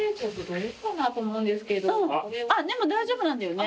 あっでも大丈夫なんだよね？